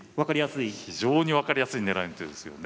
非常に分かりやすい狙いの手ですよね。